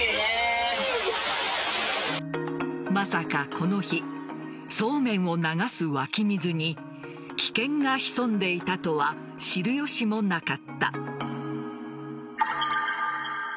まさか、この日そうめんを流す湧き水に危険が潜んでいたとは知る由もなかった。